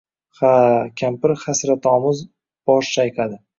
Ha… — Kampir hasratomuz bosh chayqadi.